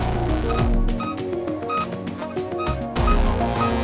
tunggu sebentar ya pak